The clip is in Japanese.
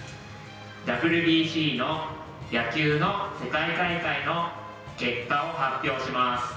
ＷＢＣの野球の世界大会の結果を発表します。